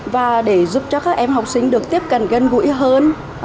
và để giúp cho các em học sinh được tiếp cận gân gũi hơn